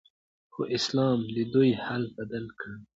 خو اسلام ددوی حال بدل کړ